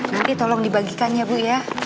nanti tolong dibagikan ya bu ya